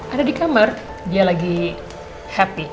ada di kamar dia lagi happy